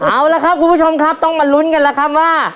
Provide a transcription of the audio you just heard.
เอาละครับคุณผู้ชมครับต้องมาลุ้นกันแล้วครับว่า